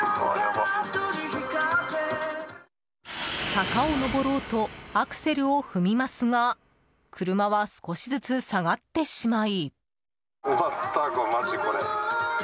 坂を上ろうとアクセルを踏みますが車は少しずつ下がってしまい。